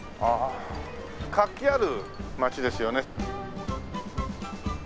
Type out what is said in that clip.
活気ある街ですよね。